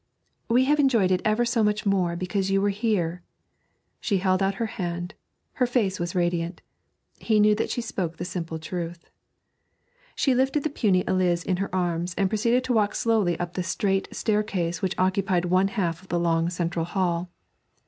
'We have enjoyed it ever so much more because you were here.' She held out her hand; her face was radiant; he knew that she spoke the simple truth. She lifted the puny Eliz in her arms and proceeded to walk slowly up the straight staircase which occupied one half of the long central hall.